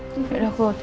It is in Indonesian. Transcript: aku mau ngecek dulu tuh